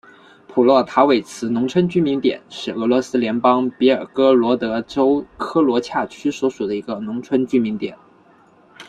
普洛塔韦茨农村居民点是俄罗斯联邦别尔哥罗德州科罗恰区所属的一个农村居民点。